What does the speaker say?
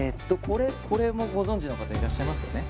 これこれもご存じの方いらっしゃいますよね